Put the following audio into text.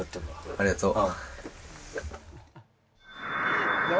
ありがとう。